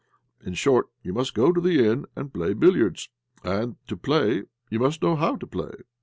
In short, you must go to the inn and play billiards, and to play you must know how to play."